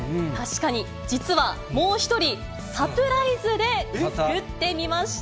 実は、もう１人、サプライズで作ってみました。